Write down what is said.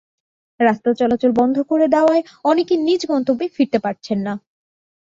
রাস্তা চলাচল বন্ধ করে দেওয়ায় অনেকে নিজ গন্তব্যে ফিরতে পারছেন না।